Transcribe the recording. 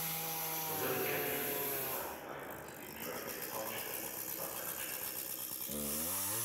The winning entry was designed by Anthony Drake of Hodgeville, Saskatchewan.